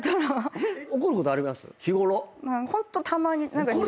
ホントたまに。